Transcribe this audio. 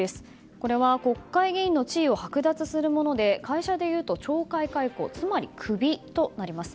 これは国会議員の地位をはく奪するもので会社でいうと懲戒解雇つまり、クビとなります。